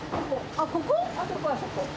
あそこあそこ。